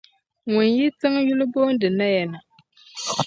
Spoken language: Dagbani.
ŋun yi tiŋ yuli booni Naya na.